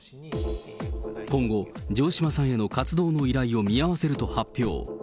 今後、城島さんへの活動の依頼を見合わせると発表。